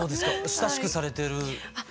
親しくされてる？